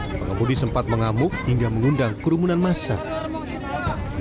pengemudi sempat mengamuk hingga mengundang kerumunan masa